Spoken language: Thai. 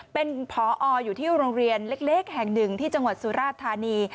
เป็นพออยู่ที่โรงเรียนเล็กแห่งหนึ่งที่จังหวัดสุราธานี